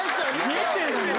見てるよ。